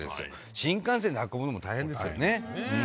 新幹線で運ぶのも大変ですよね。